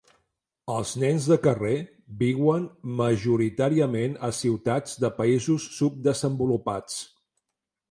Els nens de carrer viuen majoritàriament a ciutats de països subdesenvolupats.